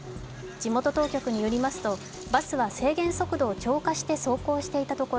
地元当局によりますと、バスは制限速度を超過して走行していたところ